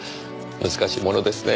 難しいものですね。